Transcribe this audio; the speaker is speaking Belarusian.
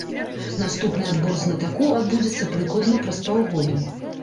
Наступны адбор знатакоў адбудзецца прыкладна праз паўгода.